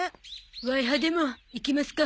ワイハでも行きますか。